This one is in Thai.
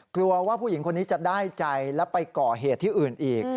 กลัวว่าผู้หญิงคนนี้จะได้ใจแล้วไปก่อเหตุที่อื่นอีก